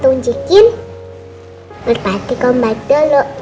kamu mau ngajakin berarti kamu baik dulu